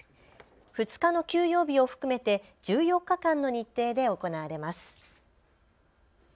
２日の休養日を含めて１４日間の日程で行われます。